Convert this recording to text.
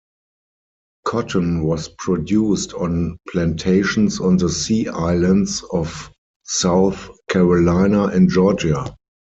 Cotton was produced on plantations on the Sea Islands off South Carolina and Georgia.